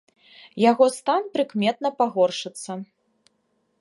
Яго стан прыкметна пагоршыцца.